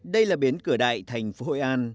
đây là biến cửa đại thành phố hội an